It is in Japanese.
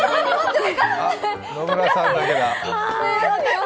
野村さんだけだ。